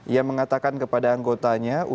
ia mengatakan kepada anggotanya